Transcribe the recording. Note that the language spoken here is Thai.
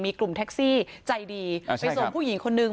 มีกลุ่มแท็กซี่ใจดีไปส่งผู้หญิงคนนึง